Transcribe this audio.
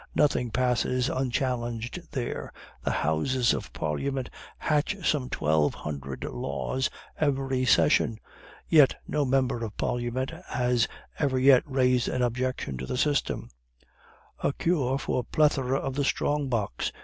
Nothing passes unchallenged there; the Houses of Parliament hatch some twelve hundred laws every session, yet no member of Parliament has ever yet raised an objection to the system " "A cure for plethora of the strong box.